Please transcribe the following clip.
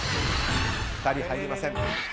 ２人入りません。